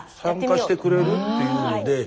体験参加してくれるっていうので。